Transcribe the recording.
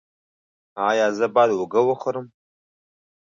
ایا زه باید هوږه وخورم؟